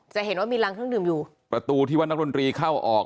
จะเห็นว่ามีรังเครื่องดื่มอยู่ประตูที่ว่านักดนตรีเข้าออก